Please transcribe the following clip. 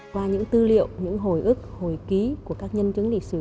qua những tư liệu những hồi ức hồi ký của các nhân chứng lịch sử